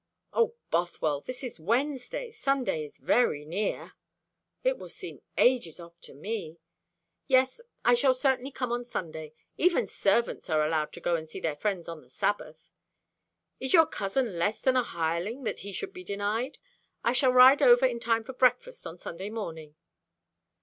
"O Bothwell, this is Wednesday; Sunday is very near." "It will seem ages off to me. Yes, I shall certainly come on Sunday. Even servants are allowed to go and see their friends on the Sabbath. Is your cousin less than a hireling that he should be denied? I shall ride over in time for breakfast on Sunday morning."